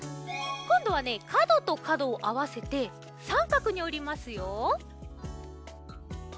こんどはねかどとかどをあわせてさんかくにおりますよ。